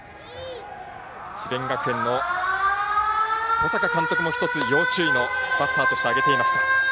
智弁学園の小坂監督も一つ、要注意のバッターとして挙げていました。